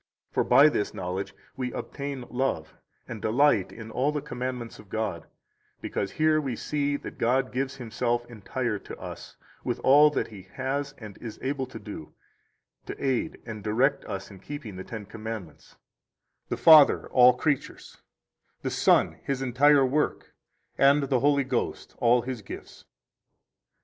69 For by this knowledge we obtain love and delight in all the commandments of God, because here we see that God gives Himself entire to us, with all that He has and is able to do, to aid and direct us in keeping the Ten Commandments the Father, all creatures; the Son, His entire work; and the Holy Ghost, all His gifts.